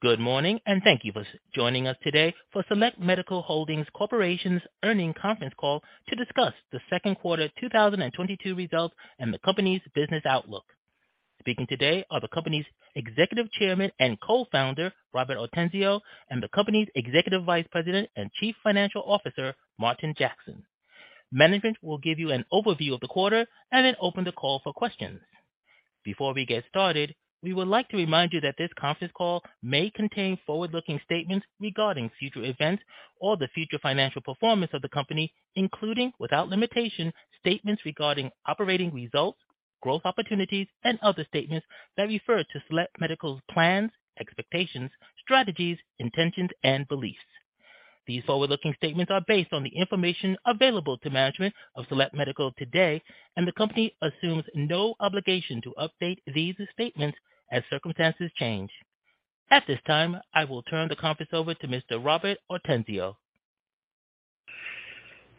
Good morning, and thank you for joining us today for Select Medical Holdings Corporation's earnings conference call to discuss the Q2 2022 results and the company's business outlook. Speaking today are the company's Executive Chairman and Co-founder, Robert Ortenzio, and the company's Executive Vice President and Chief Financial Officer, Martin Jackson. Management will give you an overview of the quarter and then open the call for questions. Before we get started, we would like to remind you that this conference call may contain forward-looking statements regarding future events or the future financial performance of the company, including without limitation, statements regarding operating results, growth opportunities, and other statements that refer to Select Medical's plans, expectations, strategies, intentions, and beliefs. These forward-looking statements are based on the information available to management of Select Medical to date, and the company assumes no obligation to update these statements as circumstances change. At this time, I will turn the conference over to Mr. Robert Ortenzio.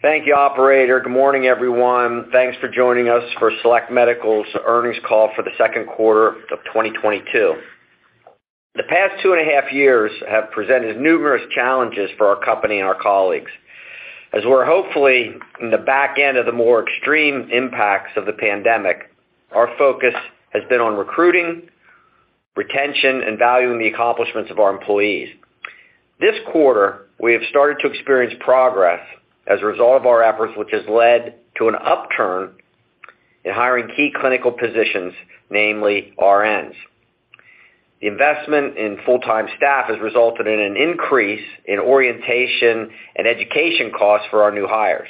Thank you, operator. Good morning, everyone. Thanks for joining us for Select Medical's earnings call for the Q2 of 2022. The past two and a half years have presented numerous challenges for our company and our colleagues. As we're hopefully in the back end of the more extreme impacts of the pandemic, our focus has been on recruiting, retention, and valuing the accomplishments of our employees. This quarter, we have started to experience progress as a result of our efforts, which has led to an upturn in hiring key clinical positions, namely RNs. The investment in full-time staff has resulted in an increase in orientation and education costs for our new hires.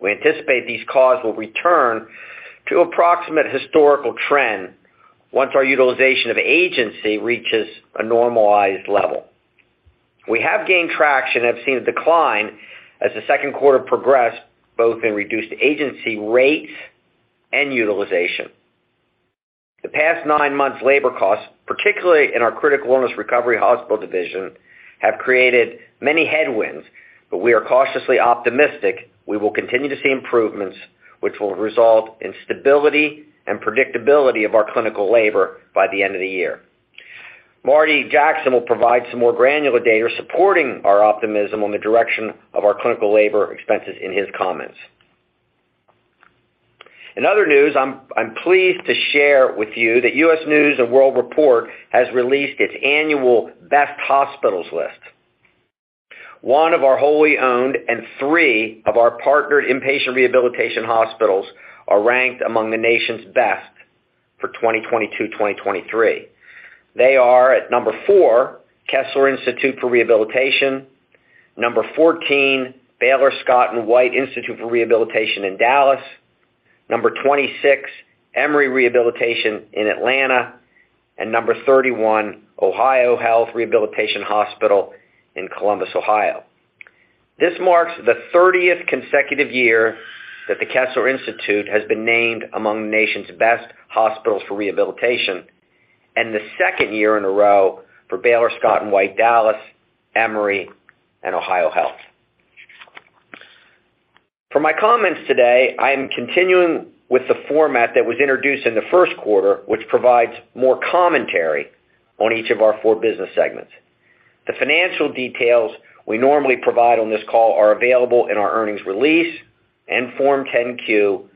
We anticipate these costs will return to approximate historical trend once our utilization of agency reaches a normalized level. We have gained traction and have seen a decline as the Q2 progressed, both in reduced agency rates and utilization. The past nine months labor costs, particularly in our critical illness recovery hospital division, have created many headwinds, but we are cautiously optimistic we will continue to see improvements which will result in stability and predictability of our clinical labor by the end of the year. Martin Jackson will provide some more granular data supporting our optimism on the direction of our clinical labor expenses in his comments. In other news, I'm pleased to share with you that U.S. News & World Report has released its annual Best Hospitals list. One of our wholly owned and three of our partnered inpatient rehabilitation hospitals are ranked among the nation's best for 2022/2023. They are at number four, Kessler Institute for Rehabilitation. Number 14, Baylor Scott & White Institute for Rehabilitation in Dallas. Number 26, Emory Rehabilitation in Atlanta. Number 31, OhioHealth Rehabilitation Hospital in Columbus, Ohio. This marks the 30th consecutive year that the Kessler Institute has been named among the nation's best hospitals for rehabilitation, and the 2nd year in a row for Baylor Scott & White Dallas, Emory, and OhioHealth. For my comments today, I am continuing with the format that was introduced in the Q1, which provides more commentary on each of our four business segments. The financial details we normally provide on this call are available in our earnings release and Form 10-Q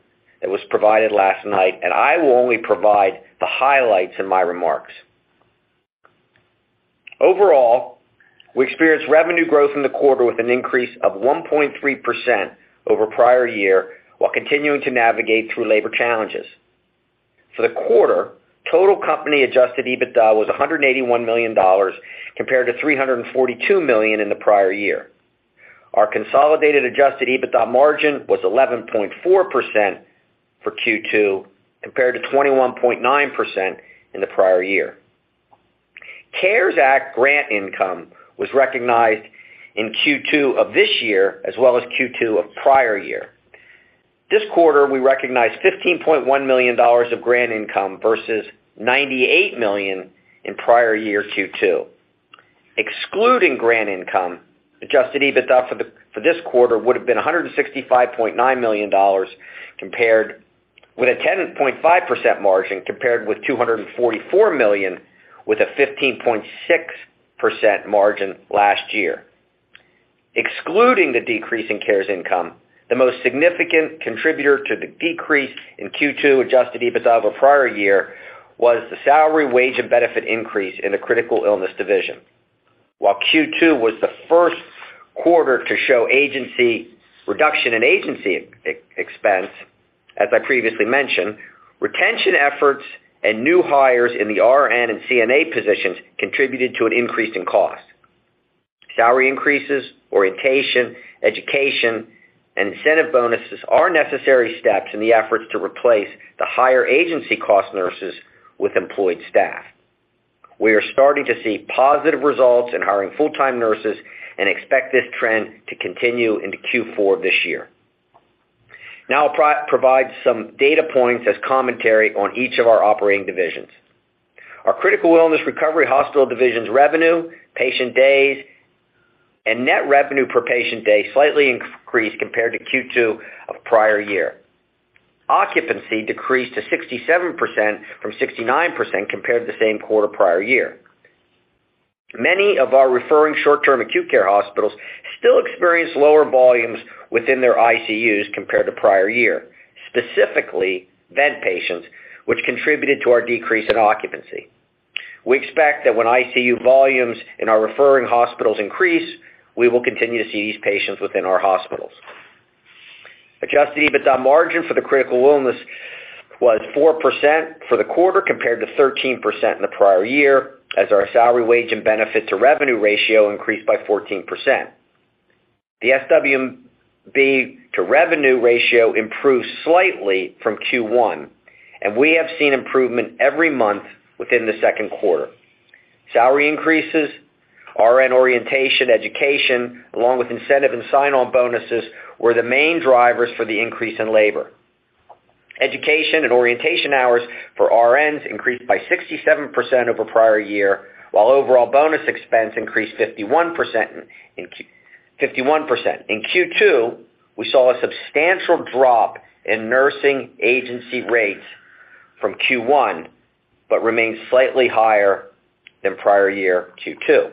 that was provided last night, and I will only provide the highlights in my remarks. Overall, we experienced revenue growth in the quarter with an increase of 1.3% over prior year while continuing to navigate through labor challenges. For the quarter, total company adjusted EBITDA was $181 million compared to $342 million in the prior year. Our consolidated adjusted EBITDA margin was 11.4% for Q2 compared to 21.9% in the prior year. CARES Act grant income was recognized in Q2 of this year as well as Q2 of prior year. This quarter, we recognized $15.1 million of grant income versus $98 million in prior year Q2. Excluding grant income, adjusted EBITDA for this quarter would have been $165.9 million compared with a 10.5% margin compared with $244 million with a 15.6% margin last year. Excluding the decrease in CARES income, the most significant contributor to the decrease in Q2 adjusted EBITDA over prior year was the salary, wage, and benefit increase in the critical illness division. While Q2 was the Q1 to show agency reduction in agency expense, as I previously mentioned, retention efforts and new hires in the RN and CNA positions contributed to an increase in cost. Salary increases, orientation, education, and incentive bonuses are necessary steps in the efforts to replace the higher agency cost nurses with employed staff. We are starting to see positive results in hiring full-time nurses and expect this trend to continue into Q4 this year. Now I'll provide some data points as commentary on each of our operating divisions. Our critical illness recovery hospital division's revenue, patient days and net revenue per patient day slightly increased compared to Q2 of prior year. Occupancy decreased to 67% from 69% compared to the same quarter prior year. Many of our referring short-term acute care hospitals still experience lower volumes within their ICUs compared to prior year, specifically vent patients, which contributed to our decrease in occupancy. We expect that when ICU volumes in our referring hospitals increase, we will continue to see these patients within our hospitals. Adjusted EBITDA margin for the critical illness was 4% for the quarter, compared to 13% in the prior year as our salaries, wages, and benefits to revenue ratio increased by 14%. The SWB to revenue ratio improved slightly from Q1, and we have seen improvement every month within the Q2. Salary increases, RN orientation, education, along with incentive and sign-on bonuses, were the main drivers for the increase in labor. Education and orientation hours for RNs increased by 67% over prior year, while overall bonus expense increased 51% in Q2. In Q2, we saw a substantial drop in nursing agency rates from Q1, but remained slightly higher than prior year Q2.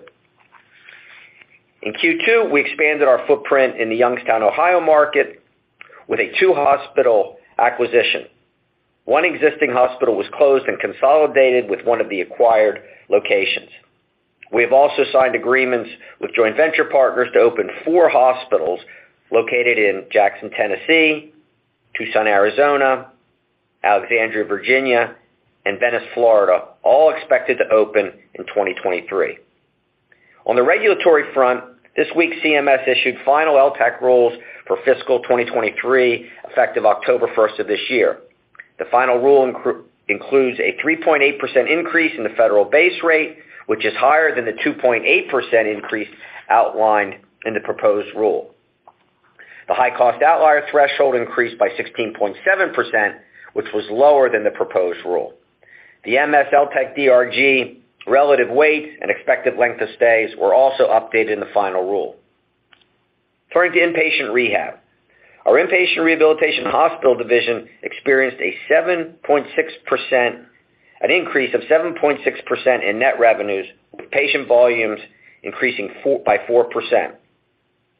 In Q2, we expanded our footprint in the Youngstown, Ohio, market with a 2-hospital acquisition. One existing hospital was closed and consolidated with one of the acquired locations. We have also signed agreements with joint venture partners to open 4 hospitals located in Jackson, Tennessee, Tucson, Arizona, Alexandria, Virginia, and Venice, Florida, all expected to open in 2023. On the regulatory front, this week, CMS issued final LTCH rules for fiscal 2023, effective October 1 of this year. The final rule includes a 3.8% increase in the federal base rate, which is higher than the 2.8% increase outlined in the proposed rule. The high-cost outlier threshold increased by 16.7%, which was lower than the proposed rule. The MS-LTCH DRG relative weights and expected length of stays were also updated in the final rule. Turning to inpatient rehab. Our inpatient rehabilitation hospital division experienced an increase of 7.6% in net revenues, with patient volumes increasing by 4%.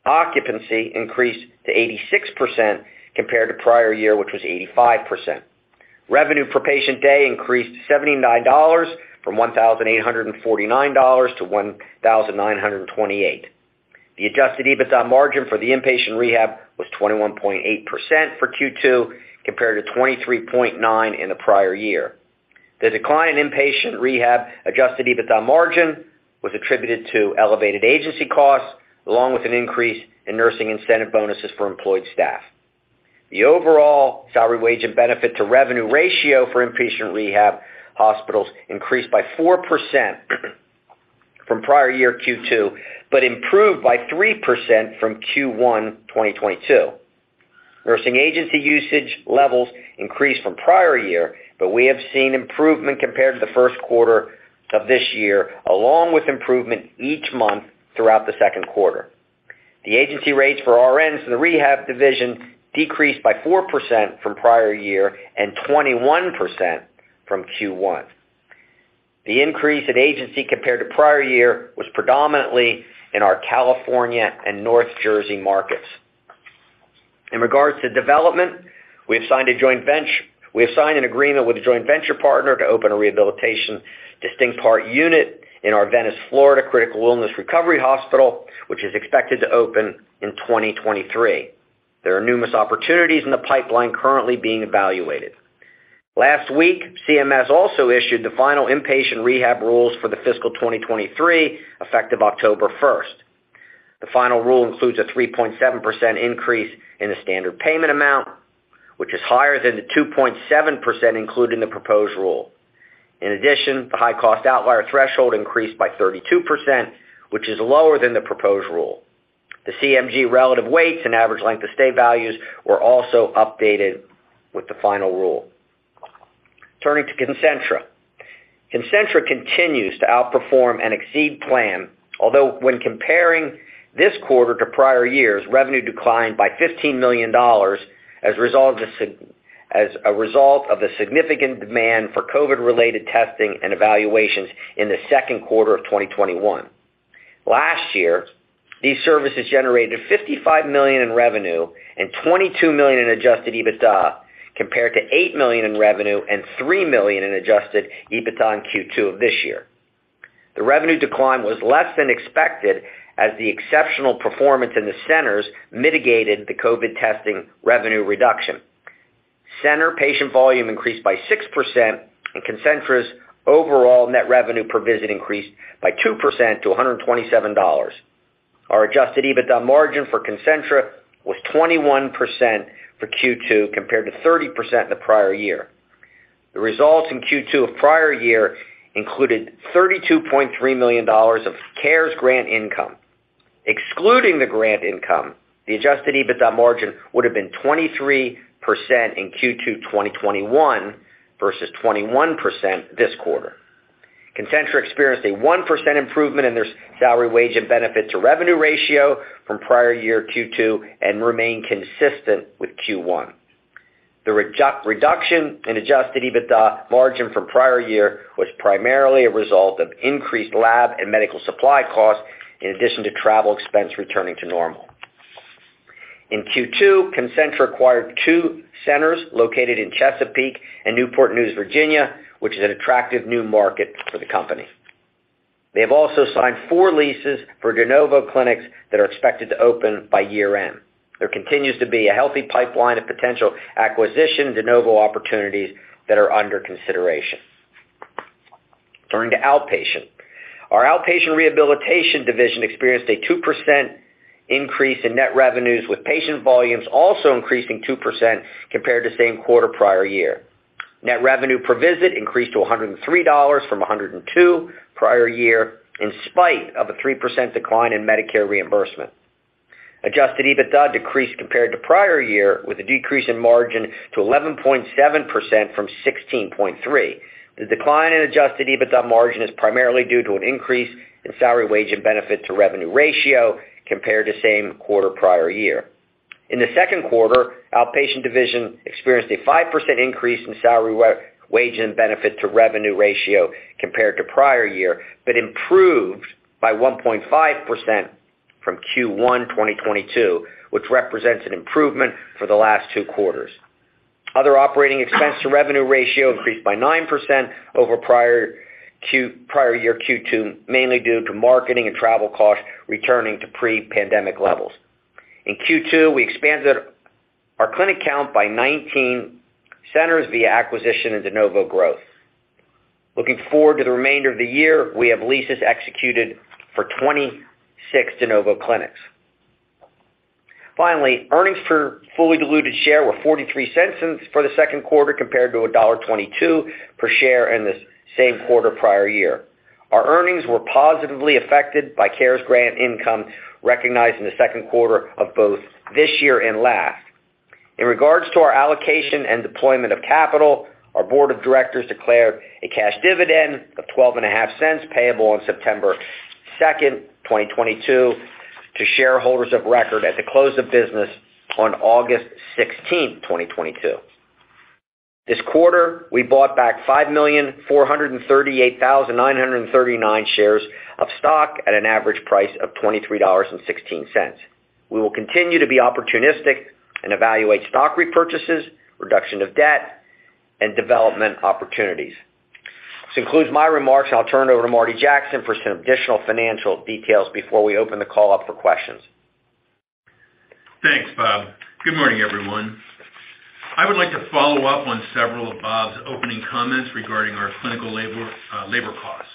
Occupancy increased to 86% compared to prior year, which was 85%. Revenue per patient day increased to $1,979 from $1,849 to $1,928. The adjusted EBITDA margin for the inpatient rehab was 21.8% for Q2, compared to 23.9% in the prior year. The decline in inpatient rehab adjusted EBITDA margin was attributed to elevated agency costs, along with an increase in nursing incentive bonuses for employed staff. The overall salary, wage, and benefit to revenue ratio for inpatient rehab hospitals increased by 4% from prior year Q2, but improved by 3% from Q1 2022. Nursing agency usage levels increased from prior year, but we have seen improvement compared to the Q1 of this year, along with improvement each month throughout the Q2. The agency rates for RNs in the rehab division decreased by 4% from prior year and 21% from Q1. The increase in agency compared to prior year was predominantly in our California and North Jersey markets. In regards to development, we have signed an agreement with a joint venture partner to open a rehabilitation distinct part unit in our Venice, Florida, critical illness recovery hospital, which is expected to open in 2023. There are numerous opportunities in the pipeline currently being evaluated. Last week, CMS also issued the final inpatient rehab rules for the fiscal 2023, effective October 1. The final rule includes a 3.7% increase in the standard payment amount, which is higher than the 2.7% included in the proposed rule. In addition, the high cost outlier threshold increased by 32%, which is lower than the proposed rule. The CMG relative weights and average length of stay values were also updated with the final rule. Turning to Concentra. Concentra continues to outperform and exceed plan. Although when comparing this quarter to prior years, revenue declined by $15 million as a result of the significant demand for COVID-related testing and evaluations in the Q2 of 2021. Last year, these services generated $55 million in revenue and $22 million in adjusted EBITDA, compared to $8 million in revenue and $3 million in adjusted EBITDA in Q2 of this year. The revenue decline was less than expected as the exceptional performance in the centers mitigated the COVID testing revenue reduction. Center patient volume increased by 6%, and Concentra's overall net revenue per visit increased by 2% to $127. Our adjusted EBITDA margin for Concentra was 21% for Q2, compared to 30% in the prior year. The results in Q2 of prior year included $32.3 million of CARES Grant income. Excluding the grant income, the adjusted EBITDA margin would have been 23% in Q2 2021 versus 21% this quarter. Concentra experienced a 1% improvement in their salaries, wages, and benefits to revenue ratio from prior year Q2 and remain consistent with Q1. The reduction in adjusted EBITDA margin from prior year was primarily a result of increased lab and medical supply costs in addition to travel expense returning to normal. In Q2, Concentra acquired 2 centers located in Chesapeake and Newport News, Virginia, which is an attractive new market for the company. They have also signed 4 leases for de novo clinics that are expected to open by year-end. There continues to be a healthy pipeline of potential acquisition de novo opportunities that are under consideration. Turning to outpatient. Our outpatient rehabilitation division experienced a 2% increase in net revenues, with patient volumes also increasing 2% compared to same quarter prior year. Net revenue per visit increased to $103 from $102 prior year, in spite of a 3% decline in Medicare reimbursement. Adjusted EBITDA decreased compared to prior year with a decrease in margin to 11.7% from 16.3%. The decline in adjusted EBITDA margin is primarily due to an increase in salary, wage, and benefit to revenue ratio compared to same quarter prior year. In the Q2, outpatient division experienced a 5% increase in salary, wage, and benefit to revenue ratio compared to prior year, but improved by 1.5% from Q1 2022, which represents an improvement for the last two quarters. Other operating expense to revenue ratio increased by 9% over prior year Q2, mainly due to marketing and travel costs returning to pre-pandemic levels. In Q2, we expanded our clinic count by 19 centers via acquisition and de novo growth. Looking forward to the remainder of the year, we have leases executed for 26 de novo clinics. Finally, earnings per fully diluted share were $0.43 for the Q2, compared to $1.22 per share in the same quarter prior year. Our earnings were positively affected by CARES Grant income recognized in the Q2 of both this year and last. In regards to our allocation and deployment of capital, our board of directors declared a cash dividend of 12.5 cents payable on September 2, 2022, to shareholders of record at the close of business on August 16, 2022. This quarter, we bought back 5,438,939 shares of stock at an average price of $23.16. We will continue to be opportunistic and evaluate stock repurchases, reduction of debt, and development opportunities. This concludes my remarks, and I'll turn it over to Martin Jackson for some additional financial details before we open the call up for questions. Thanks, Bob. Good morning, everyone. I would like to follow up on several of Bob's opening comments regarding our clinical labor costs.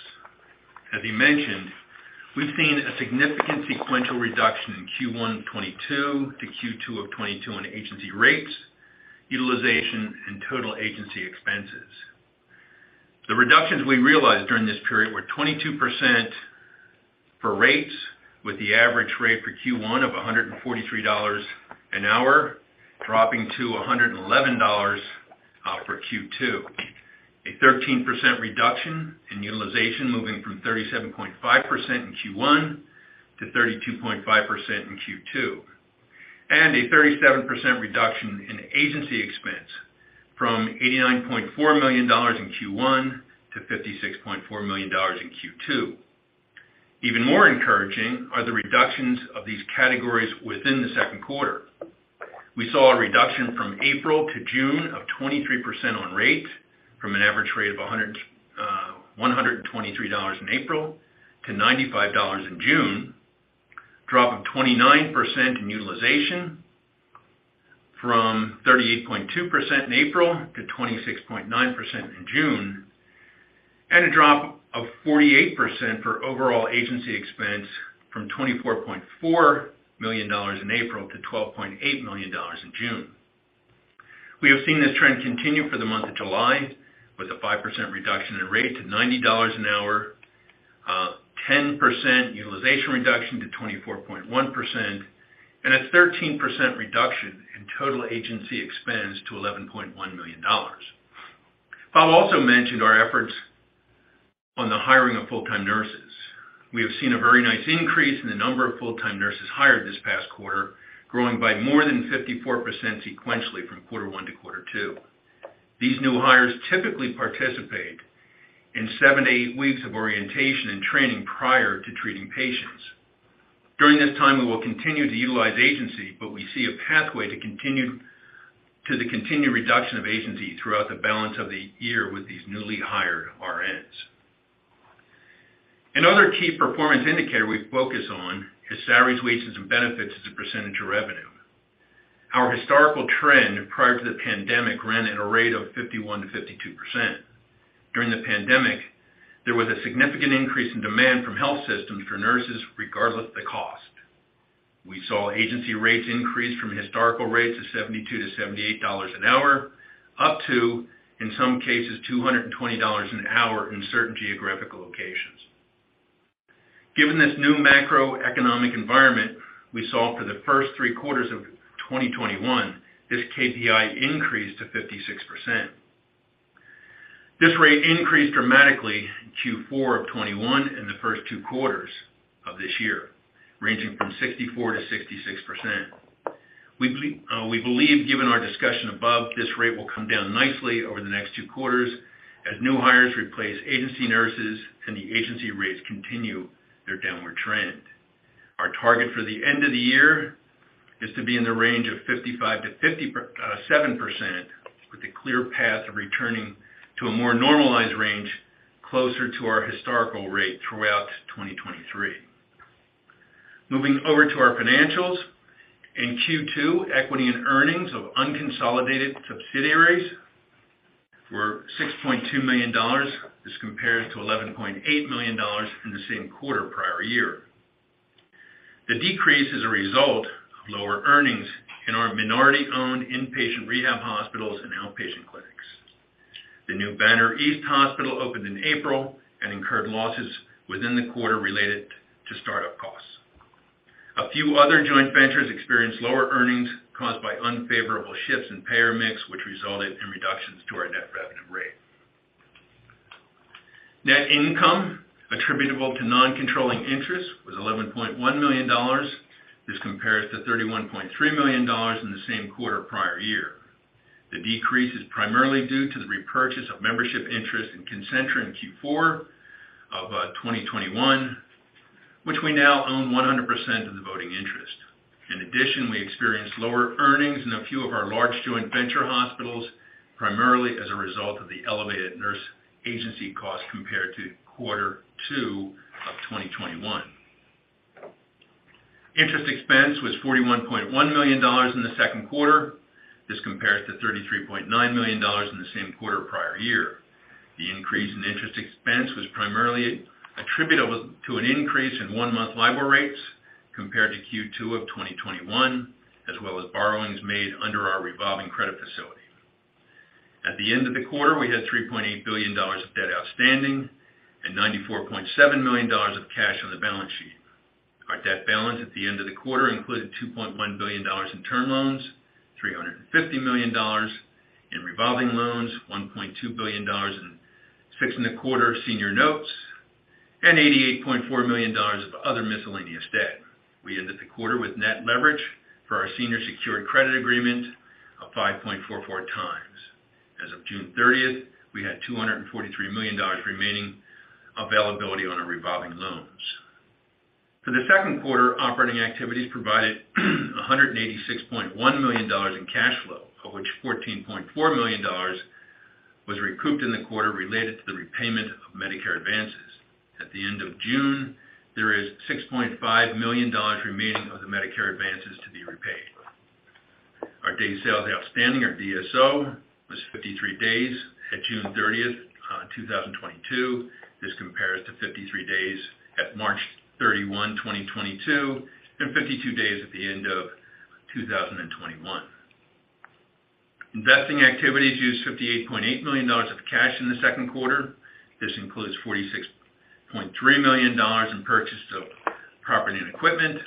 As he mentioned, we've seen a significant sequential reduction in Q1 2022 to Q2 2022 on agency rates, utilization, and total agency expenses. The reductions we realized during this period were 22% for rates, with the average rate for Q1 2022 of $143 an hour, dropping to $111 for Q2 2022. A 13% reduction in utilization, moving from 37.5% in Q1 2022 to 32.5% in Q2 2022. A 37% reduction in agency expense from $89.4 million in Q1 2022 to $56.4 million in Q2 2022. Even more encouraging are the reductions of these categories within the Q2. We saw a reduction from April to June of 23% on rate from an average rate of $123 in April to $95 in June, drop of 29% in utilization from 38.2% in April to 26.9% in June, and a drop of 48% for overall agency expense from $24.4 million in April to $12.8 million in June. We have seen this trend continue for the month of July with a 5% reduction in rate to $90 an hour, ten percent utilization reduction to 24.1%, and a 13% reduction in total agency expense to $11.1 million. Bob also mentioned our efforts on the hiring of full-time nurses. We have seen a very nice increase in the number of full-time nurses hired this past quarter, growing by more than 54% sequentially from quarter one to quarter two. These new hires typically participate in 7 to 8 weeks of orientation and training prior to treating patients. During this time, we will continue to utilize agency, but we see a pathway to the continued reduction of agency throughout the balance of the year with these newly hired RNs. Another key performance indicator we focus on is salaries, wages, and benefits as a percentage of revenue. Our historical trend prior to the pandemic ran at a rate of 51%-52%. During the pandemic, there was a significant increase in demand from health systems for nurses, regardless of the cost. We saw agency rates increase from historical rates of $72-$78 an hour, up to, in some cases, $220 an hour in certain geographical locations. Given this new macroeconomic environment we saw for the first three quarters of 2021, this KPI increased to 56%. This rate increased dramatically in Q4 of 2021 and the first two quarters of this year, ranging from 64%-66%. We believe given our discussion above, this rate will come down nicely over the next two quarters as new hires replace agency nurses and the agency rates continue their downward trend. Our target for the end of the year is to be in the range of 55%-57% with a clear path of returning to a more normalized range closer to our historical rate throughout 2023. Moving over to our financials. In Q2, equity and earnings of unconsolidated subsidiaries were $6.2 million as compared to $11.8 million in the same quarter prior year. The decrease is a result of lower earnings in our minority-owned inpatient rehab hospitals and outpatient clinics. The new Banner Rehabilitation Hospital East opened in April and incurred losses within the quarter related to start-up costs. A few other joint ventures experienced lower earnings caused by unfavorable shifts in payer mix, which resulted in reductions to our net revenue rate. Net income attributable to non-controlling interest was $11.1 million. This compares to $31.3 million in the same quarter prior year. The decrease is primarily due to the repurchase of membership interest in Concentra in Q4 of 2021, which we now own 100% of the voting interest. In addition, we experienced lower earnings in a few of our large joint venture hospitals, primarily as a result of the elevated nurse agency costs compared to quarter two of 2021. Interest expense was $41.1 million in the Q2. This compares to $33.9 million in the same quarter prior year. The increase in interest expense was primarily attributable to an increase in one-month LIBOR rates compared to Q2 of 2021, as well as borrowings made under our revolving credit facility. At the end of the quarter, we had $3.8 billion of debt outstanding and $94.7 million of cash on the balance sheet. Our debt balance at the end of the quarter included $2.1 billion in term loans, $350 million in revolving loans, $1.2 billion in 6.25 senior notes, and $88.4 million of other miscellaneous debt. We ended the quarter with net leverage for our senior secured credit agreement of 5.44 times. As of June thirtieth, we had $243 million remaining availability on our revolving loans. For the Q2, operating activities provided $186.1 million in cash flow, of which $14.4 million was recouped in the quarter related to the repayment of Medicare advances. At the end of June, there is $6.5 million remaining of the Medicare advances to be repaid. Our days sales outstanding, or DSO, was 53 days at June 30, 2022. This compares to 53 days at March 31, 2022, and 52 days at the end of 2021. Investing activities used $58.8 million of cash in the Q2. This includes $46.3 million in purchase of property and equipment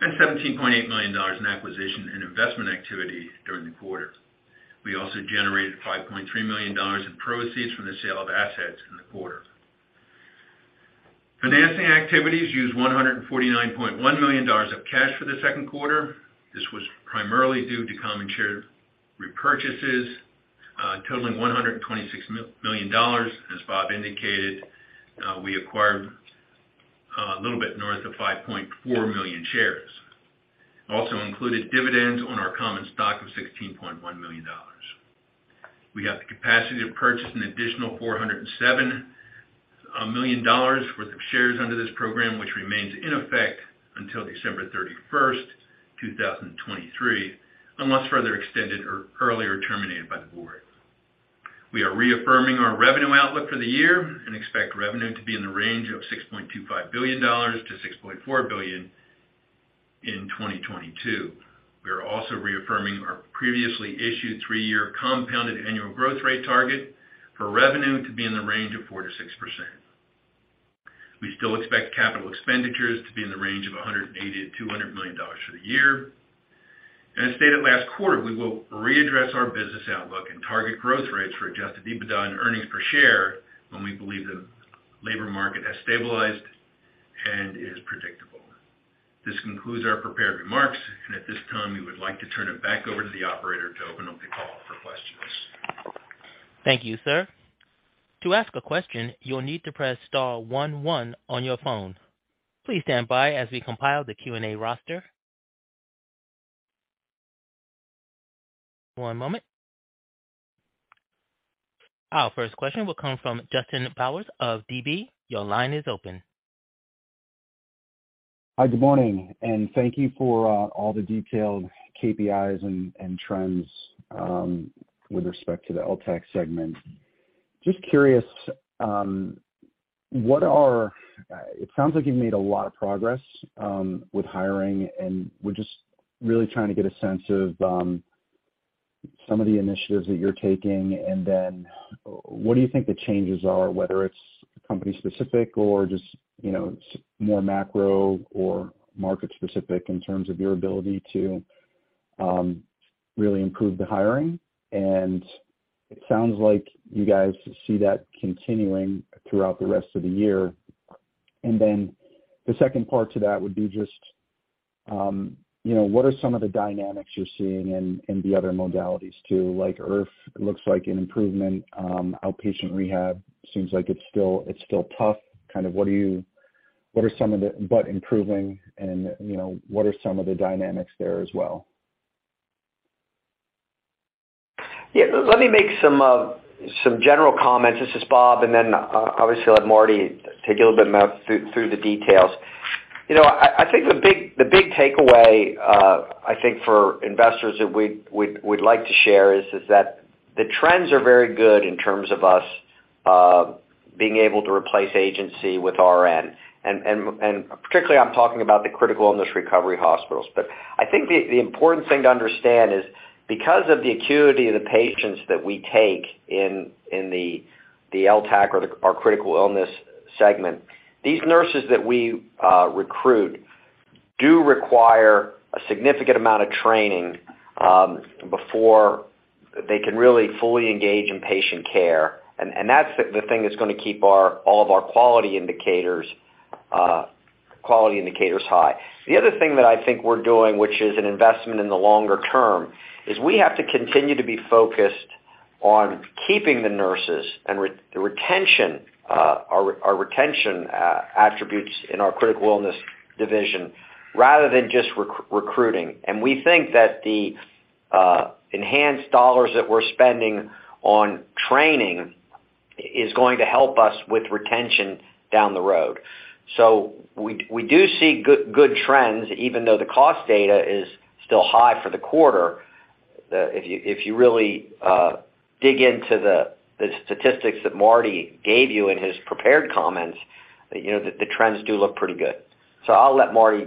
and $17.8 million in acquisition and investment activity during the quarter. We also generated $5.3 million in proceeds from the sale of assets in the quarter. Financing activities used $149.1 million of cash for the Q2. This was primarily due to common share repurchases totaling $126 million. As Bob indicated, we acquired a little bit north of 5.4 million shares. It also included dividends on our common stock of $16.1 million. We have the capacity to purchase an additional $407 million worth of shares under this program, which remains in effect until December 31, 2023, unless further extended or earlier terminated by the board. We are reaffirming our revenue outlook for the year and expect revenue to be in the range of $6.25 billion-$6.4 billion in 2022. We are also reaffirming our previously issued 3-year compounded annual growth rate target for revenue to be in the range of 4%-6%. We still expect capital expenditures to be in the range of $180 million-$200 million for the year. As stated last quarter, we will readdress our business outlook and target growth rates for adjusted EBITDA and earnings per share when we believe the labor market has stabilized and is predictable. This concludes our prepared remarks. At this time, we would like to turn it back over to the operator to open up the call for questions. Thank you, sir. To ask a question, you'll need to press star one one on your phone. Please stand by as we compile the Q&A roster. One moment. Our first question will come from Justin Bowers of DB. Your line is open. Hi, good morning, and thank you for all the detailed KPIs and trends with respect to the LTAC segment. Just curious, it sounds like you've made a lot of progress with hiring, and we're just really trying to get a sense of, Some of the initiatives that you're taking, and then what do you think the changes are, whether it's company specific or just some more macro or market specific in terms of your ability to really improve the hiring. It sounds like you guys see that continuing throughout the rest of the year. Then the second part to that would be just what are some of the dynamics you're seeing in the other modalities too. Like IRF looks like an improvement. Outpatient rehab seems like it's still tough but improving, and what are some of the dynamics there as well? Yeah. Let me make some general comments. This is Bob, and then obviously I'll let Marty take a little bit more through the details. I think the big takeaway I think for investors that we'd like to share is that the trends are very good in terms of us being able to replace agency with RN. And particularly I'm talking about the critical illness recovery hospitals. But I think the important thing to understand is because of the acuity of the patients that we take in the LTAC or critical illness segment, these nurses that we recruit do require a significant amount of training before they can really fully engage in patient care. that's the thing that's going to keep all of our quality indicators high. The other thing that I think we're doing, which is an investment in the longer term, is we have to continue to be focused on keeping the nurses and the retention attributes in our critical illness division rather than just recruiting. we think that the enhanced dollars that we're spending on training is going to help us with retention down the road. we do see good trends even though the cost data is still high for the quarter. if you really dig into the statistics that Marty gave you in his prepared comments the trends do look pretty good. I'll let marty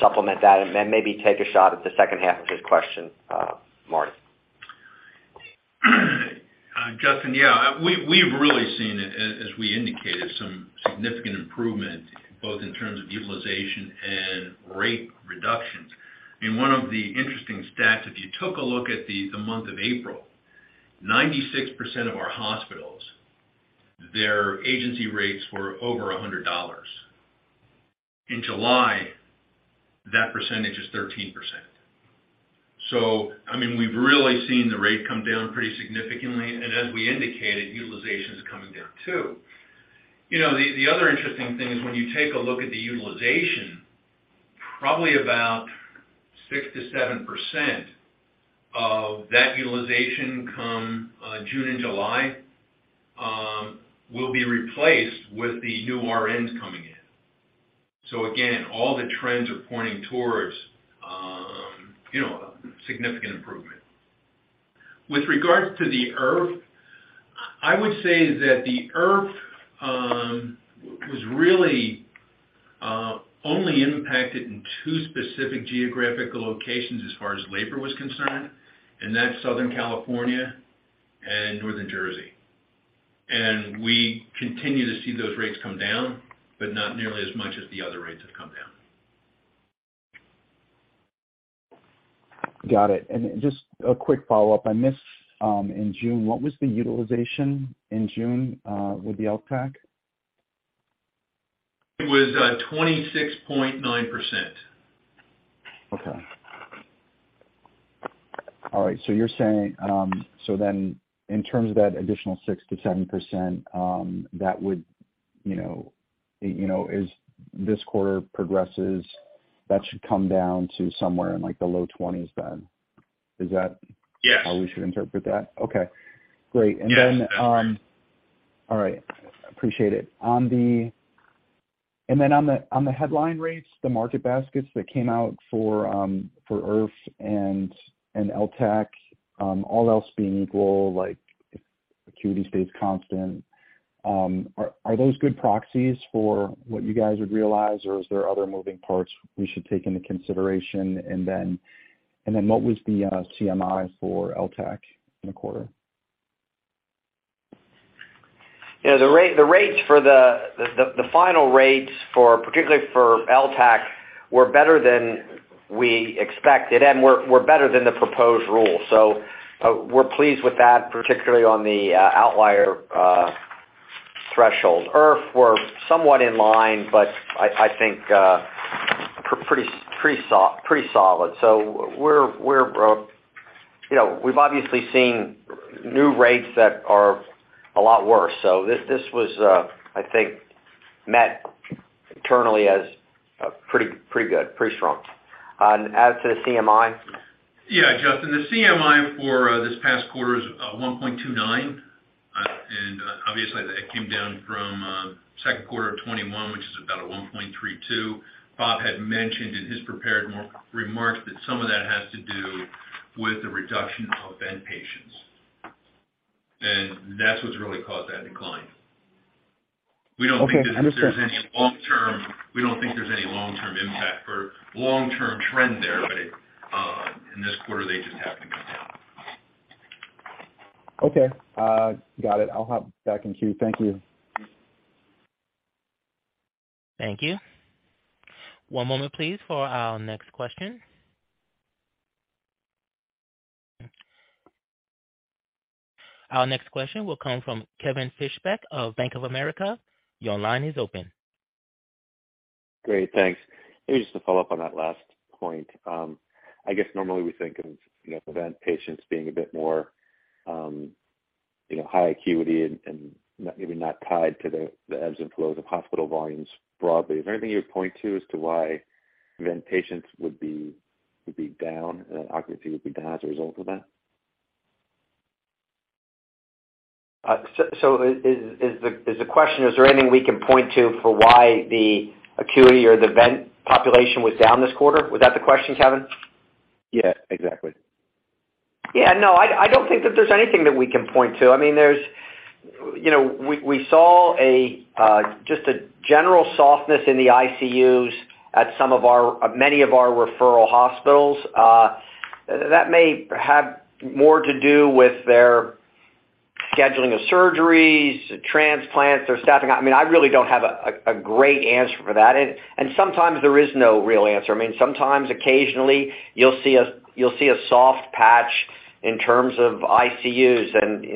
supplement that and then maybe take a shot at the second half of his question, Marty. Justin, yeah. We've really seen, as we indicated, some significant improvement both in terms of utilization and rate reductions. I mean, one of the interesting stats, if you took a look at the month of April, 96% of our hospitals, their agency rates were over $100. In July, that percentage is 13%. I mean, we've really seen the rate come down pretty significantly. As we indicated, utilization is coming down too. The other interesting thing is when you take a look at the utilization, probably about 6%-7% of that utilization come June and July will be replaced with the new RNs coming in. Again, all the trends are pointing towards significant improvement. With regards to the IRF, I would say that the IRF was really only impacted in two specific geographical locations as far as labor was concerned, and that's Southern California and Northern Jersey. We continue to see those rates come down, but not nearly as much as the other rates have come down. Got it. Just a quick follow-up. I missed, in June, what was the utilization in June, with the LTAC? It was 26.9%. Okay. All right. You're saying, so then in terms of that additional 6%-7%, that would as this quarter progresses, that should come down to somewhere in like the low 20s% then. Is that? Yes. How we should interpret that? Okay, great. Yes. Appreciate it. On the headline rates, the market baskets that came out for IRF and LTAC, all else being equal, like if acuity stays constant, are those good proxies for what you guys would realize? Or is there other moving parts we should take into consideration? What was the CMI for LTAC in the quarter? Yeah. The final rates for, particularly for LTAC, were better than we expected and were better than the proposed rule. We're pleased with that, particularly on the outlier threshold. IRF were somewhat in line, but I think pretty solid. We're you know we've obviously seen new rates that are a lot worse. This was, I think met internally as pretty good, pretty strong. As to the CMI? Yeah, Justin, the CMI for this past quarter is 1.29. Obviously that came down from Q2 of 2021, which is about a 1.32. Bob had mentioned in his prepared remarks that some of that has to do with the reduction of vent patients. That's what's really caused that decline. Okay, understood. We don't think there's any long-term impact or long-term trend there, but it, in this quarter, they just happened to go down. Okay. Got it. I'll hop back in queue. Thank you. Thank you. One moment please for our next question. Our next question will come from Kevin Fischbeck of Bank of America. Your line is open. Great, thanks. Maybe just to follow up on that last point. I guess normally we think of vent patients being a bit more high acuity and maybe not tied to the ebbs and flows of hospital volumes broadly. Is there anything you would point to as to why vent patients would be down, occupancy would be down as a result of that? Is the question is there anything we can point to for why the acuity or the vent population was down this quarter? Was that the question, Kevin? Yeah, exactly. Yeah, no, I don't think that there's anything that we can point to. I mean, there's we saw just a general softness in the ICUs at many of our referral hospitals. That may have more to do with their scheduling of surgeries, transplants, their staffing. I mean, I really don't have a great answer for that. Sometimes there is no real answer. I mean, sometimes occasionally you'll see a soft patch in terms of ICUs and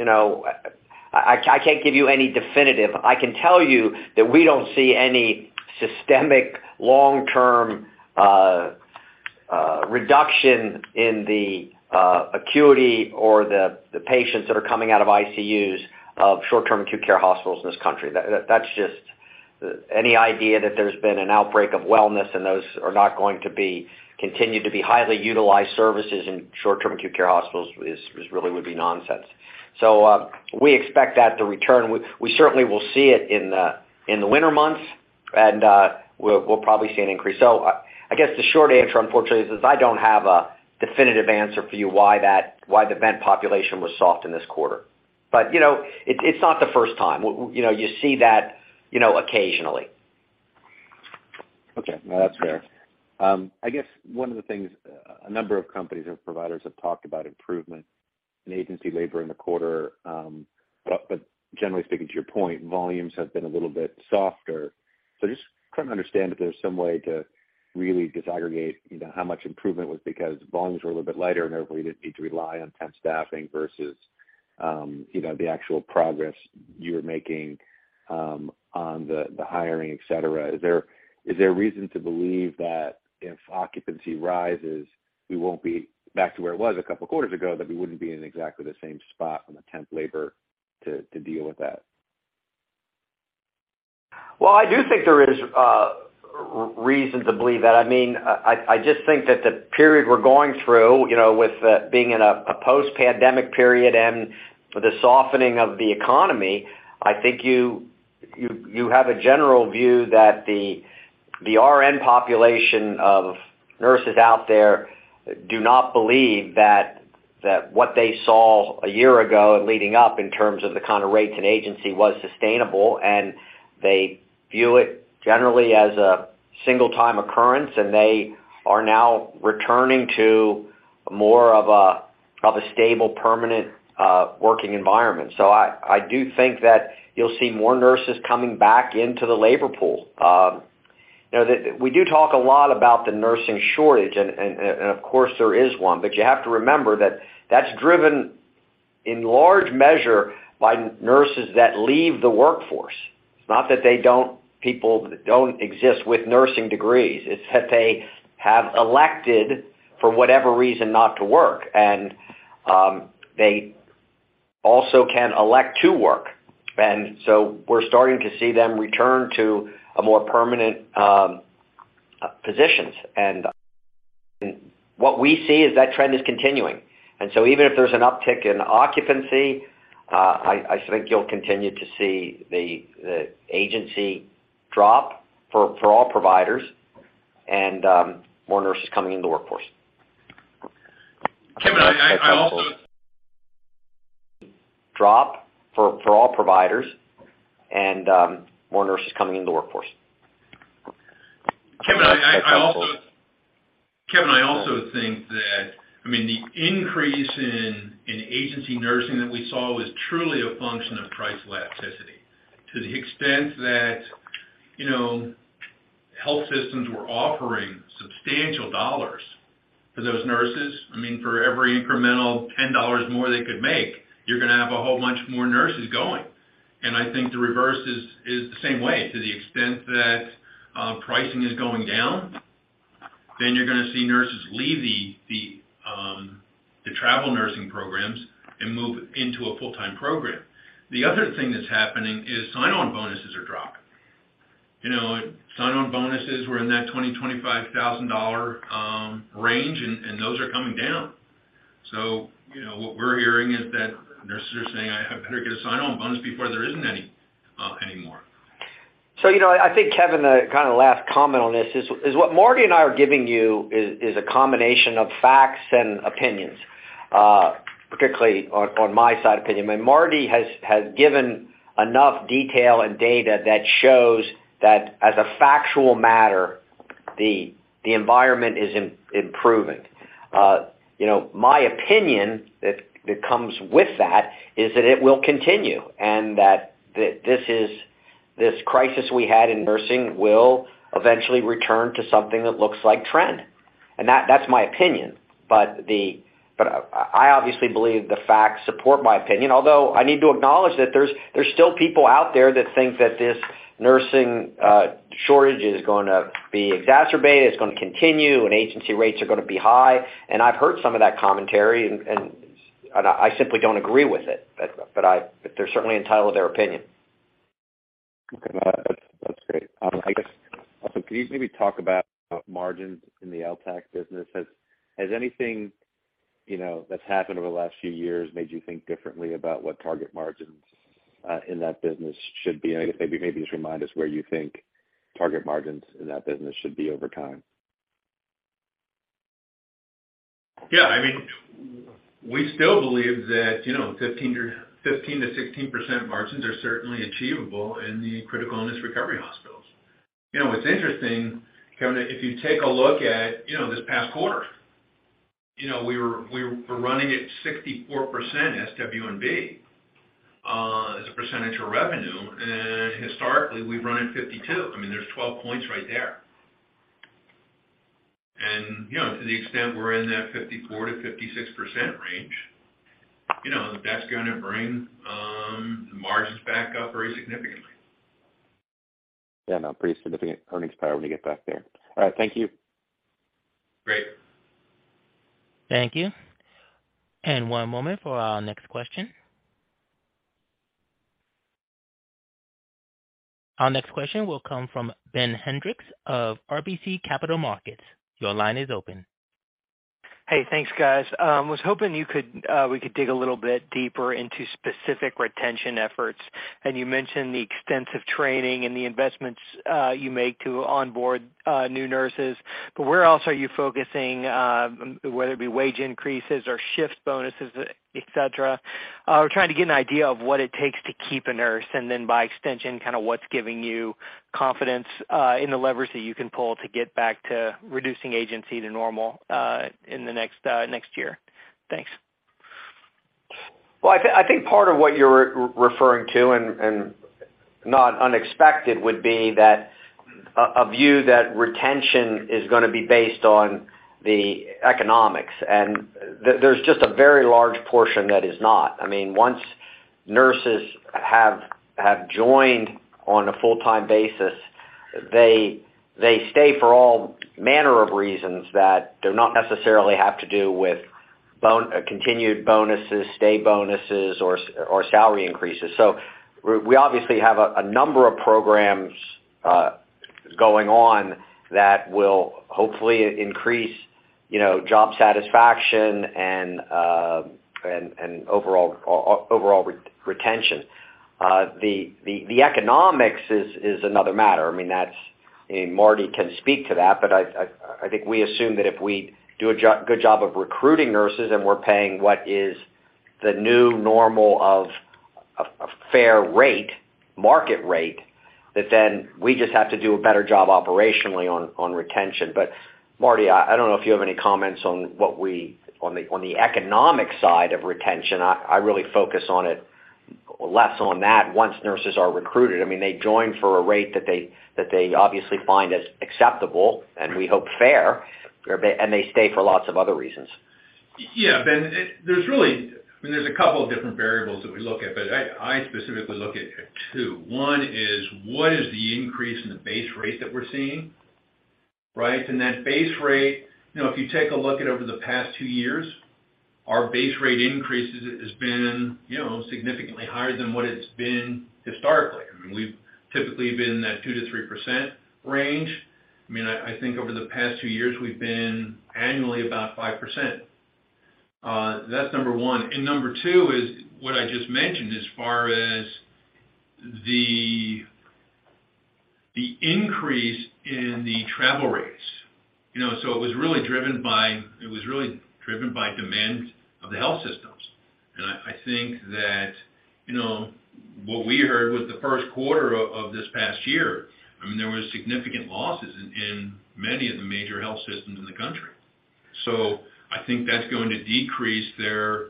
I can't give you any definitive. I can tell you that we don't see any systemic long-term reduction in the acuity or the patients that are coming out of ICUs of short-term acute care hospitals in this country. That's just any idea that there's been an outbreak of wellness, and those are not going to continue to be highly utilized services in short-term acute care hospitals is really would be nonsense. We expect that to return. We certainly will see it in the winter months, and we'll probably see an increase. I guess the short answer, unfortunately, is I don't have a definitive answer for you why the vent population was soft in this quarter. It's not the first time. You see that occasionally. Okay. No, that's fair. I guess one of the things a number of companies or providers have talked about improvement in agency labor in the quarter. But generally speaking to your point, volumes have been a little bit softer. Just trying to understand if there's some way to really disaggregate how much improvement was because volumes were a little bit lighter, and therefore you didn't need to rely on temp staffing versus the actual progress you're making on the hiring, et cetera. Is there reason to believe that if occupancy rises, we won't be back to where it was a couple quarters ago, that we wouldn't be in exactly the same spot on the temp labor to deal with that? Well, I do think there is reason to believe that. I mean, I just think that the period we're going through with being in a post-pandemic period and the softening of the economy, I think you have a general view that the RN population of nurses out there do not believe that what they saw a year ago and leading up in terms of the kind of rates and agency was sustainable, and they view it generally as a one-time occurrence, and they are now returning to more of a stable, permanent working environment. I do think that you'll see more nurses coming back into the labor pool. we do talk a lot about the nursing shortage and of course there is one, but you have to remember that that's driven in large measure by nurses that leave the workforce. It's not that people don't exist with nursing degrees, it's that they have elected for whatever reason not to work. They also can elect to work. We're starting to see them return to a more permanent positions. What we see is that trend is continuing. Even if there's an uptick in occupancy, I think you'll continue to see the agency drop for all providers and more nurses coming into the workforce. Kevin, I also- Drop for all providers and more nurses coming into the workforce. Kevin, I also- Okay. Kevin, I also think that, I mean, the increase in agency nursing that we saw was truly a function of price elasticity. To the extent that health systems were offering substantial dollars for those nurses. I mean, for every incremental $10 more they could make, you're going to have a whole bunch more nurses going. I think the reverse is the same way. To the extent that, pricing is going down, then you're going to see nurses leave the travel nursing programs and move into a full-time program. The other thing that's happening is sign-on bonuses are dropping. Sign-on bonuses were in that $20,000-$25,000 range, and those are coming down. What we're hearing is that nurses are saying, "I better get a sign-on bonus before there isn't any anymore. I think, Kevin, the kind of last comment on this is what Marty and I are giving you is a combination of facts and opinions, particularly on my side opinion. When Marty has given enough detail and data that shows that as a factual matter, the environment is improving. My opinion that comes with that is that it will continue, and that this crisis we had in nursing will eventually return to something that looks like trend. \That's my opinion. I obviously believe the facts support my opinion, although I need to acknowledge that there's still people out there that think that this nursing shortage is going to be exacerbated, it's going to continue, and agency rates are going to be high. I've heard some of that commentary, and I simply don't agree with it. They're certainly entitled to their opinion. Okay. That's great. I guess also, can you maybe talk about margins in the LTAC business? Has anything that's happened over the last few years made you think differently about what target margins in that business should be? I guess maybe just remind us where you think target margins in that business should be over time. Yeah. I mean, we still believe that 15 or 15-16% margins are certainly achievable in the critical illness recovery hospitals. It's interesting, Kevin, if you take a look at this past quarter we were running at 64% SWB as a percentage of revenue. To the extent we're in that 54%-56% range that's going to bring the margins back up very significantly. Yeah, no, pretty significant earnings power when you get back there. All right. Thank you. Great. Thank you. One moment for our next question. Our next question will come from Ben Hendrix of RBC Capital Markets. Your line is open. Hey, thanks, guys. I was hoping we could dig a little bit deeper into specific retention efforts. You mentioned the extensive training and the investments you make to onboard new nurses, but where else are you focusing, whether it be wage increases or shift bonuses, et cetera? We're trying to get an idea of what it takes to keep a nurse, and then by extension, kinda what's giving you confidence in the leverage that you can pull to get back to reducing agency to normal in the next year. Thanks. I think part of what you're referring to and not unexpected would be that a view that retention is going to be based on the economics. There's just a very large portion that is not. I mean, once nurses have joined on a full-time basis, they stay for all manner of reasons that do not necessarily have to do with continued bonuses, stay bonuses or salary increases. We obviously have a number of programs going on that will hopefully increase job satisfaction and overall retention. The economics is another matter. I mean, Marty can speak to that, but I think we assume that if we do a good job of recruiting nurses and we're paying what is the new normal of a fair rate, market rate, that then we just have to do a better job operationally on retention. Marty, I don't know if you have any comments on the economic side of retention. I really focus on it less on that once nurses are recruited. I mean, they join for a rate that they obviously find as acceptable and we hope fair, but and they stay for lots of other reasons. Yeah, Ben, I mean, there's a couple of different variables that we look at, but I specifically look at two. One is what is the increase in the base rate that we're seeing, right? That base rate if you take a look at over the past two years, our base rate increase has been significantly higher than what it's been historically. I mean, we've typically been in that 2%-3% range. I mean, I think over the past two years we've been annually about 5%. That's number one. Number two is what I just mentioned as far as the increase in the travel rates. It was really driven by demand of the health systems. I think that what we heard was the Q1 of this past year. I mean, there was significant losses in many of the major health systems in the country. I think that's going to decrease their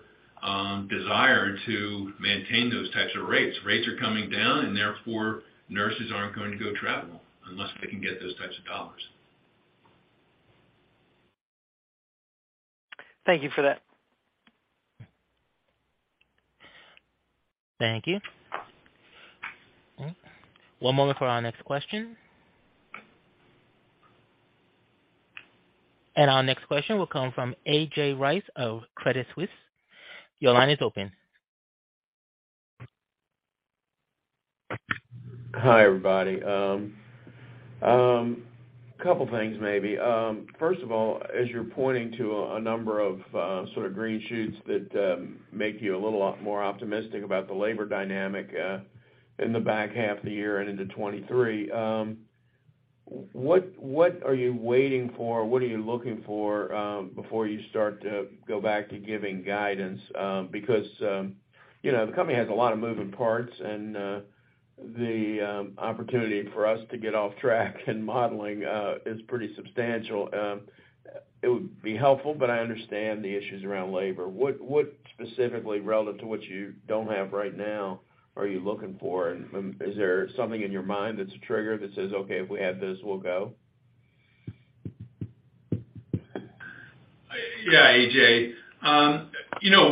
desire to maintain those types of rates. Rates are coming down and therefore, nurses aren't going to go travel unless they can get those types of dollars. Thank you for that. Thank you. One moment for our next question. Our next question will come from A.J. Rice of Credit Suisse. Your line is open. Hi, everybody. A couple things maybe. First of all, as you're pointing to a number of sort of green shoots that make you a little more optimistic about the labor dynamic in the back half of the year and into 2023, what are you waiting for? What are you looking for before you start to go back to giving guidance? Becausehe company has a lot of moving parts and the opportunity for us to get off track in modeling is pretty substantial. It would be helpful, but I understand the issues around labor. What specifically, relative to what you don't have right now, are you looking for? Is there something in your mind that's a trigger that says, "Okay, if we have this, we'll go? Yeah, A.J.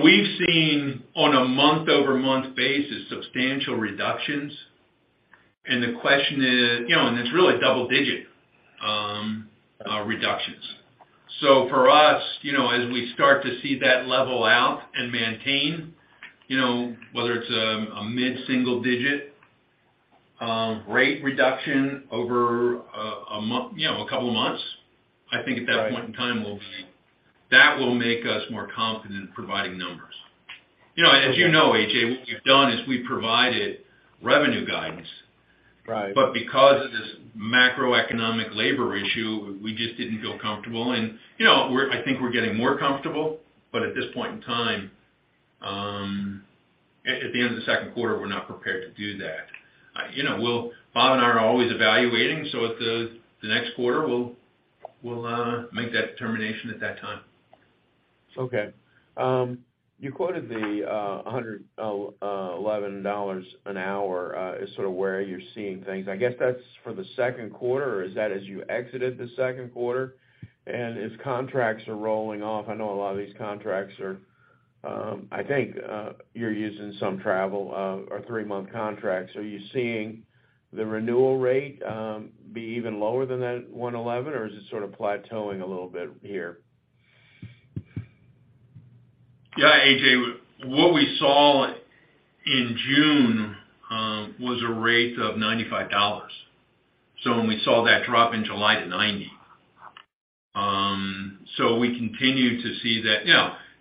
We've seen on a month-over-month basis substantial reductions. The question is. It's really double-digit reductions. For us as we start to see that level out and maintain whether it's a mid-single-digit rate reduction over a month a couple of months, I think at that point in time we'll be. That will make us more confident in providing numbers. As A.J., what we've done is we've provided revenue guidance. Right. Because of this macroeconomic labor issue, we just didn't feel comfortable. I think we're getting more comfortable, but at this point in time, at the end of the Q2, we're not prepared to do that. Bob and I are always evaluating, at the next quarter we'll make that determination at that time. Okay. You quoted the $111 an hour as sort of where you're seeing things. I guess that's for the Q2, or is that as you exited the Q2? As contracts are rolling off, I know a lot of these contracts are. I think you're using some travel or three-month contracts. Are you seeing the renewal rate be even lower than that $111, or is it sort of plateauing a little bit here? Yeah, AJ. What we saw in June was a rate of $95. We saw that drop in July to $90. We continue to see that.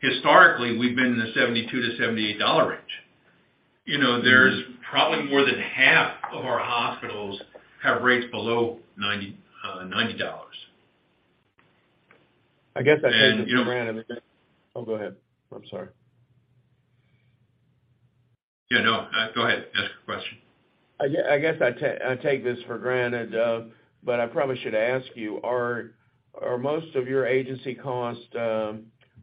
Historically, we've been in the $72-$78 dollar range. There's probably more than half of our hospitals have rates below $90. I guess I take this for granted that. You know. Oh, go ahead. I'm sorry. Yeah, no, go ahead. Ask your question. I guess I take this for granted, but I probably should ask you, are most of your agency costs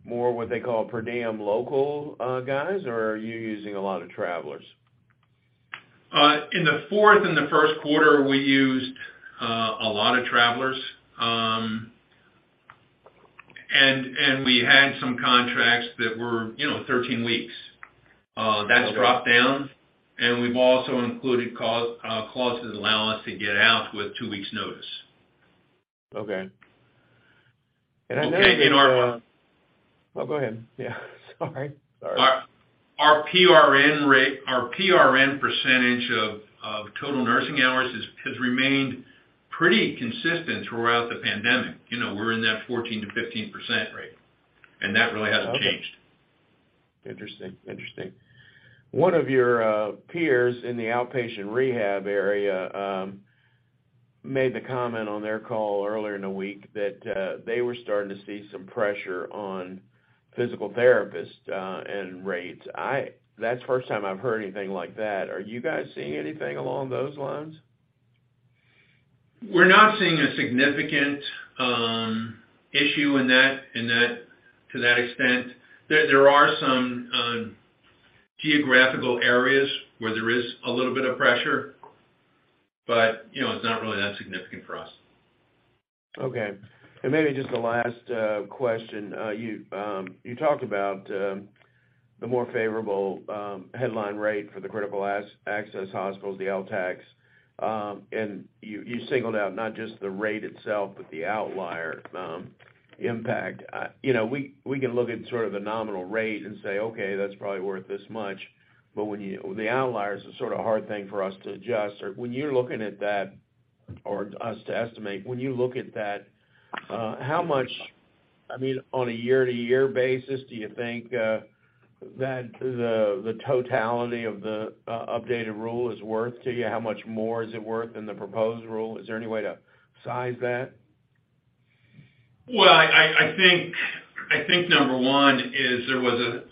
more what they call per diem local guys, or are you using a lot of travelers? In the fourth and the Q1, we used a lot of travelers. We had some contracts that were 13 weeks. That's dropped down and we've also included clauses allowing us to get out with two weeks' notice. Okay. I know that. Okay, and our Oh, go ahead. Yeah, sorry. Sorry. Our PRN rate, our PRN percentage of total nursing hours has remained pretty consistent throughout the pandemic. We're in that 14% to 15% rate. Okay. That really hasn't changed. Interesting. One of your peers in the outpatient rehab area made the comment on their call earlier in the week that they were starting to see some pressure on physical therapists and rates. That's the first time I've heard anything like that. Are you guys seeing anything along those lines? We're not seeing a significant issue to that extent. There are some geographical areas where there is a little bit of pressure, but it's not really that significant for us. Okay. Maybe just a last question. You talked about the more favorable headline rate for the critical access hospitals, the LTACs. You singled out not just the rate itself, but the outlier impact. We can look at sort of the nominal rate and say, "Okay, that's probably worth this much." The outlier is a sort of hard thing for us to adjust. When you look at that, how much, I mean, on a year-to-year basis, do you think that the totality of the updated rule is worth to you? How much more is it worth than the proposed rule? Is there any way to size that? Well, I think number one is there was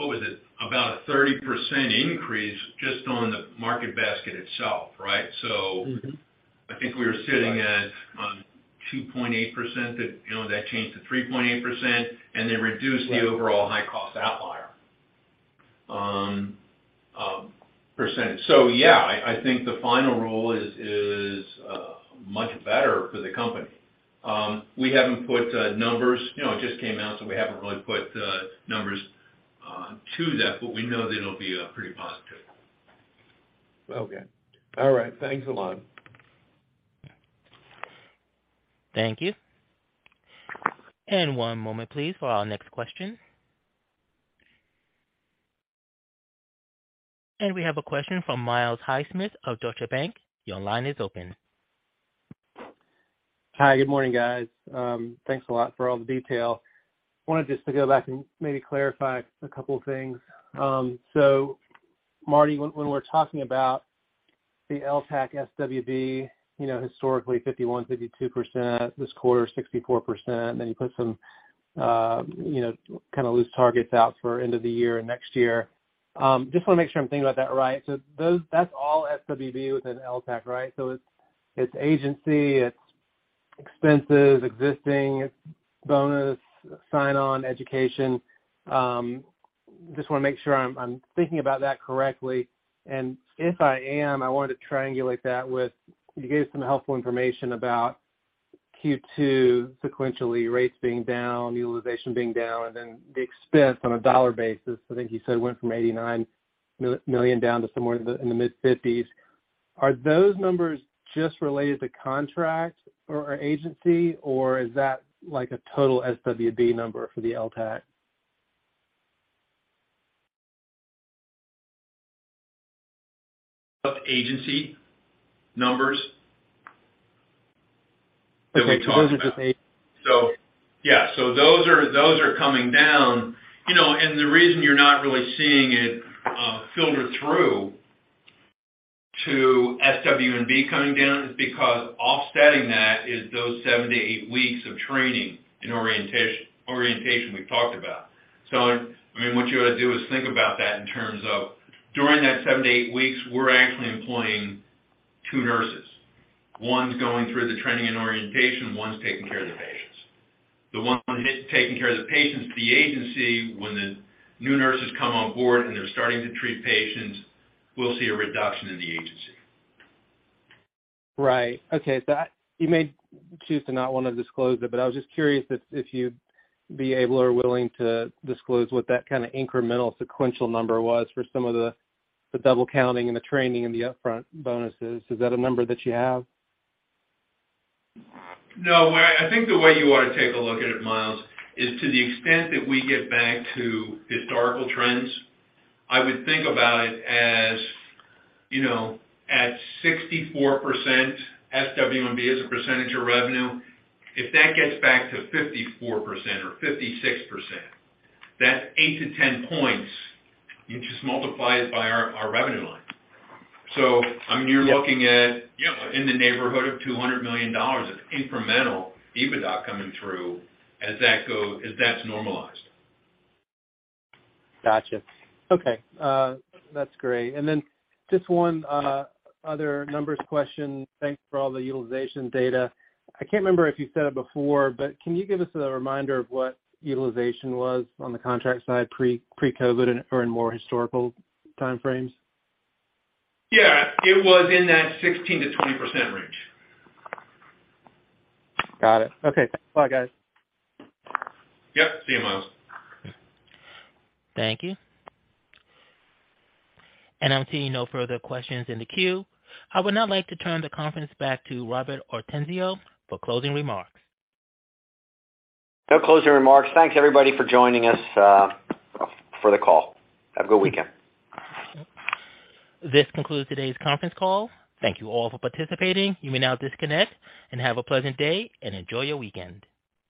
about a 30% increase just on the market basket itself, right? Mm-hmm I think we were sitting at 2.8% that changed to 3.8%, and they reduced the overall high-cost outlier percentage. Yeah, I think the final rule is much better for the company. We haven't put numbers. It just came out, so we haven't really put numbers to that, but we know that it'll be pretty positive. Okay. All right. Thanks a lot. Thank you. One moment please for our next question. We have a question from Miles Highsmith of Deutsche Bank. Your line is open. Hi. Good morning, guys. Thanks a lot for all the detail. Wanted just to go back and maybe clarify a couple of things. So Marty, when we're talking about the LTAC swb historically 51, 52%, this quarter 64%, then you put some kinda loose targets out for end of the year and next year. Just want to make sure I'm thinking about that right. So those, that's all SWB within LTAC, right? So it's agency, it's expenses, existing, it's bonus, sign-on, education. Just want to make sure I'm thinking about that correctly. If I am, I wanted to triangulate that with You gave some helpful information about Q2 sequentially, rates being down, utilization being down, and then the expense on a dollar basis. I think you said went from $89 million down to somewhere in the mid-$50s. Are those numbers just related to contract or agency, or is that like a total SWB number for the LTAC? Of agency numbers. Okay. Those are just Yeah. Those are coming down. The reason you're not really seeing it filter through to SWB coming down is because offsetting that is those 7-8 weeks of training and orientation we've talked about. I mean, what you ought to do is think about that in terms of during that 7-8 weeks, we're actually employing two nurses. One's going through the training and orientation, one's taking care of the patients. The one taking care of the patients, the agency, when the new nurses come on board and they're starting to treat patients, we'll see a reduction in the agency. Right. Okay. You may choose to not want to disclose it, but I was just curious if you'd be able or willing to disclose what that kinda incremental sequential number was for some of the double counting and the training and the upfront bonuses. Is that a number that you have? No. Well, I think the way you want to take a look at it, Miles, is to the extent that we get back to historical trends, I would think about it as at 64% SWB as a percentage of revenue. If that gets back to 54% or 56%, that's 8-10 points. You just multiply it by our revenue line. So I mean, you're looking at in the neighborhood of $200 million of incremental EBITDA coming through as that's normalized. Gotcha. Okay. That's great. Just one other numbers question. Thanks for all the utilization data. I can't remember if you said it before, but can you give us a reminder of what utilization was on the contract side pre-COVID or in more historical time frames? Yeah. It was in that 16%-20% range. Got it. Okay. Bye, guys. Yep. See you, Miles. Thank you. I'm seeing no further questions in the queue. I would now like to turn the conference back to Robert Ortenzio for closing remarks. No closing remarks. Thanks everybody for joining us for the call. Have a good weekend. This concludes today's conference call. Thank you all for participating. You may now disconnect and have a pleasant day and enjoy your weekend.